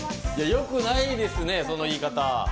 良くないですね、その言い方。